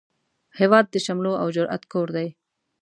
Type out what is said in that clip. هیواد د شملو او جرئت کور دی